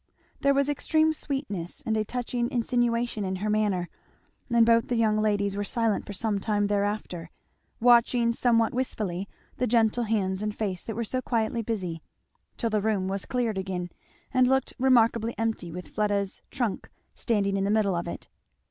There was extreme sweetness and a touching insinuation in her manner, and both the young ladies were silent for sometime thereafter watching somewhat wistfully the gentle hands and face that were so quietly busy; till the room was cleared again and looked remarkably empty with Fleda's trunk standing in the middle of it.